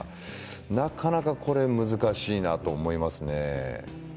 なかなか難しいなと思いますね。